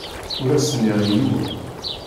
Ur as-nniɣ i yiwen.